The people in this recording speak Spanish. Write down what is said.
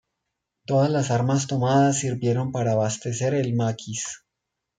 Todas las armas tomadas sirvieron para abastecer el maquis.